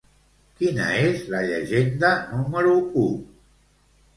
Quina és la llegenda número u?